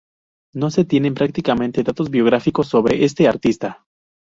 No se tienen prácticamente datos biográficos sobre este artista.